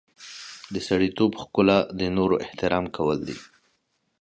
د سړیتوب ښکلا د نورو احترام کول دي.